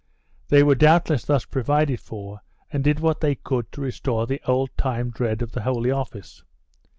They were doubtless thus provided for and did what they could to restore the old time dread of the Holy Office.